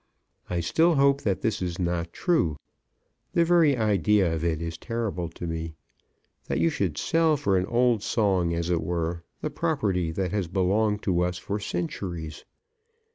I still hope that this is not true. The very idea of it is terrible to me; that you should sell for an old song, as it were, the property that has belonged to us for centuries!